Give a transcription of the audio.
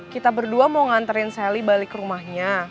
kita berdua mau nganterin sally balik ke rumahnya